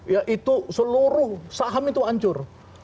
ya itu seluruh saham itu hancur